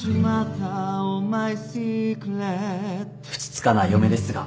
ふつつかな嫁ですが